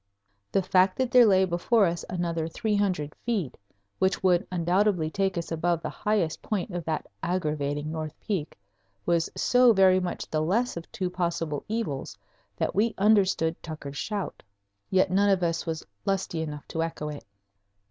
The fact that there lay before us another three hundred feet, which would undoubtedly take us above the highest point of that aggravating north peak, was so very much the less of two possible evils that we understood Tucker's shout. Yet none of us was lusty enough to echo it.